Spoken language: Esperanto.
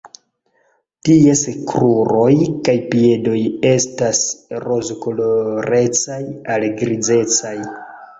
Ties kruroj kaj piedoj estas rozkolorecaj al grizecaj.